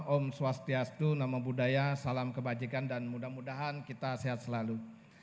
om swastiastu nama budaya salam kebajikan dan mudah mudahan kita sehat selalu